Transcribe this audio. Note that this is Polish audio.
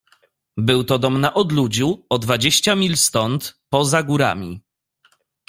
"Był to dom na odludziu, o dwadzieścia mil stąd, poza górami."